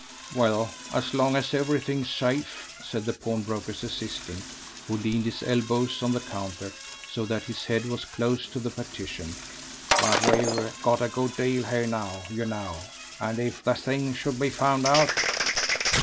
"Well, as long as everything's safe," said the pawnbroker's assistant, who leaned his elbows on the counter, so that his head was close to the partition; "but we've got a good deal here now, you know, and if the thing should be found out